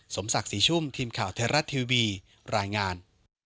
สมศักดิ์ศรีชุ่มทีมข่าวไทยรัฐทีวีรายงาน